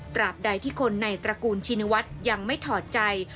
บใดที่คนในตระกูลชินวัฒน์ยังไม่ถอดใจ